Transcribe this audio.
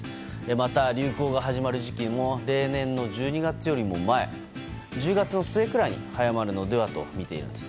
また、流行が始まる時期も例年の１２月よりも前１０月の末くらいに早まるのではとみているんです。